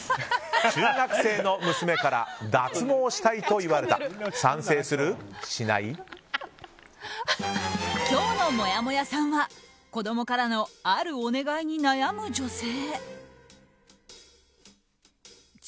中学生の娘から脱毛したいと今日の、もやもやさんは子供からのあるお願いに悩む女性。